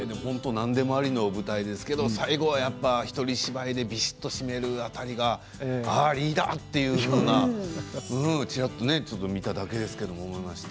何でもありの舞台ですけど最後は一人芝居でびしっと締める辺りがリーダーというようなちらっと見ただけですけども思いました。